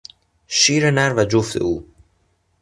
شیر نر و جفت او